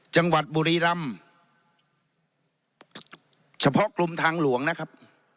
จังหวัดบุรีรำเฉพาะกรมทางหลวงนะครับ